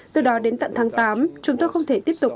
từ đó đến tận tháng tám chúng tôi không thể tiếp tục